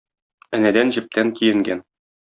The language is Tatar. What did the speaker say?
Энәдән-җептән киенгән.